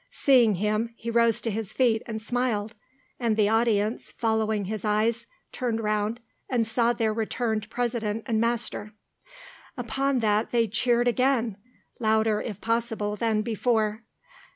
Seeing him, he rose to his feet and smiled, and the audience, following his eyes, turned round and saw their returned president and master. Upon that they cheered again, louder if possible than before.